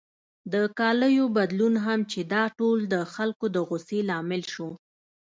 د کالیو بدلون هم چې دا ټول د خلکو د غوسې لامل شو.